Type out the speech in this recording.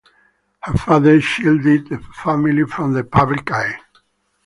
Her father shielded the family from the public eye.